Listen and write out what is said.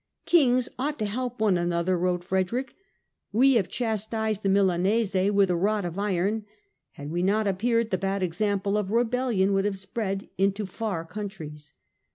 " Kings ought to help one another," wrote Frederick. " We have chastised the Milanese with a rod of iron ; had we not appeared, the bad example of rebellion would have spread into far countries.